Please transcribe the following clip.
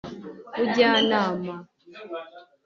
bujyanama